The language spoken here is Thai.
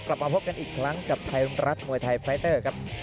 กลับมาพบกันอีกครั้งกับไทยรัฐมวยไทยไฟเตอร์ครับ